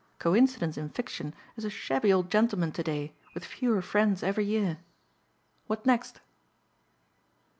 Coincidence in fiction is a shabby old gentleman to day with fewer friends every year. What next?"